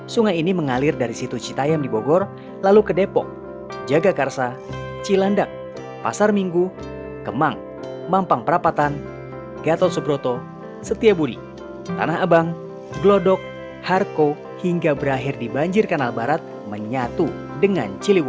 sungai ini mengalir dari situ citayam di bogor lalu ke depok jagakarsa cilandak pasar minggu kemang mampang perapatan gatot subroto setiabudi tanah abang glodok harko hingga berakhir di banjir kanal barat menyatu dengan ciliwung